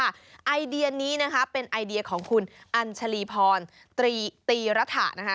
ไอเดียนี้นะคะเป็นไอเดียของคุณอัญชลีพรตีระถะนะคะ